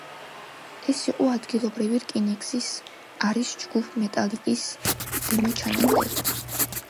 ეს იყო ადგილობრივი რკინიგზის არის ჯგუფ მეტალიკას დემო ჩანაწერი.